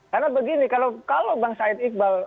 karena begini kalau bang said iqbal